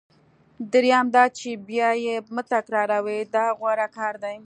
دریم دا چې بیا یې مه تکراروئ دا غوره کار دی.